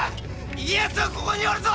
家康はここにおるぞ！